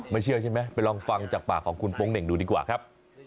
เชื่อใช่ไหมไปลองฟังจากปากของคุณโป๊งเหน่งดูดีกว่าครับ